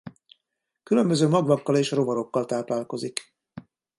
Különböző magvakkal és rovarokkal táplálkozik.